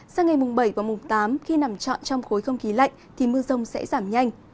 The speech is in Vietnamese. sau ngày bảy và tám khi nằm trọn trong khối không khí lạnh mưa rông sẽ giảm nhanh